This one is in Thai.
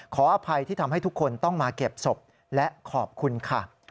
ขออภัยที่ทำให้ทุกคนต้องมาเก็บศพและขอบคุณค่ะ